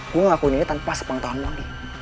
gue ngakuin ini tanpa sepengetahuan mondi